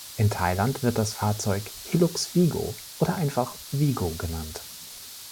In Thailand wird das Fahrzeug Hilux Vigo oder einfach Vigo genannt.